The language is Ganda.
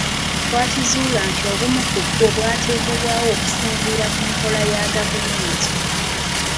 Twakizuula nti obumu ku bwo bwateekebwawo okusinziira ku nkola ya gavumenti.